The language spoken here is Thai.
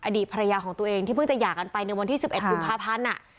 อดีตภรรยาของตัวเองที่เพิ่งจะหย่ากันไปในวันที่๑๑กุมภาพันธ์